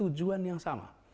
tujuan yang sama